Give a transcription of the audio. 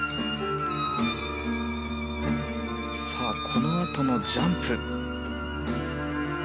このあとのジャンプ。